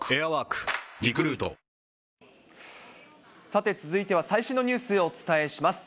さて、続いては最新のニュースをお伝えします。